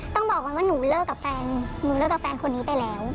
ต้องบอกก่อนว่าหนูเลิกกับแฟนหนูเลิกกับแฟนคนนี้ไปแล้ว